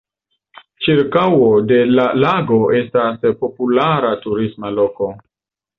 Ĉirkaŭo de la lago estas populara turisma loko.